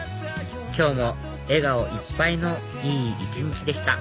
今日も笑顔いっぱいのいい一日でした